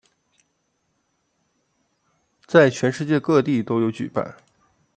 在全世界各地都有举办。